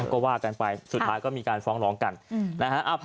ก็ว่ากันไปสุดท้ายก็มีการฟ้องร้องกันนะฮะ